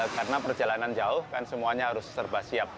karena perjalanan jauh kan semuanya harus serba siap